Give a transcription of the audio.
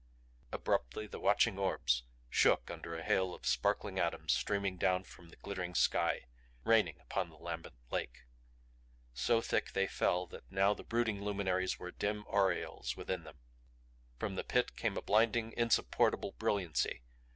Abruptly the watching orbs shook under a hail of sparkling atoms streaming down from the glittering sky; raining upon the lambent lake. So thick they fell that now the brooding luminaries were dim aureoles within them. From the Pit came a blinding, insupportable brilliancy.